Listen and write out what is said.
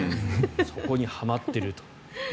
そこにはまっていると。